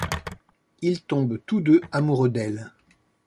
Ils tombent tous deux amoureux d'elle.